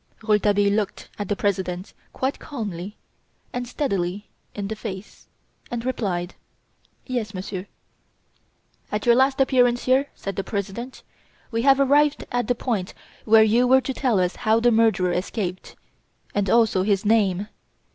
Rouletabille looked the President quite calmly and steadily in the face, and replied: "Yes, Monsieur." "At your last appearance here," said the President, "we had arrived at the point where you were to tell us how the murderer escaped, and also his name.